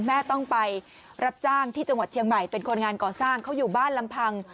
แม่ต้องไปรับจ้างที่จังหวัดเชียงใหม่เป็นคนงานก่อสร้างเขาอยู่บ้านลำพัง